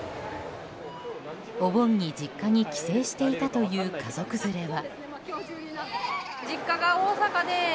お盆に実家に帰省していたという家族連れは。